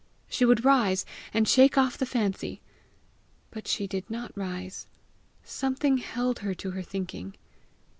She would rise and shake off the fancy! But she did not rise; something held her to her thinking.